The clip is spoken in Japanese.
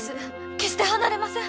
決して離れません！